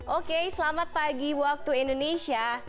oke selamat pagi waktu indonesia